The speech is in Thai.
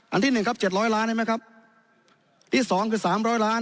ที่หนึ่งครับเจ็ดร้อยล้านได้ไหมครับที่สองคือสามร้อยล้าน